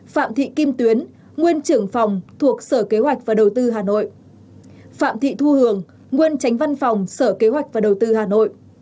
sáu phạm thị kim tuyến nguyên trưởng phòng thuộc sở kế hoạch và đầu tư hà nội phạm thị thu hường nguyên tránh văn phòng sở kế hoạch và đầu tư hà nội